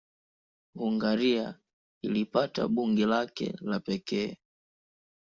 Hungaria ilipata bunge lake la pekee.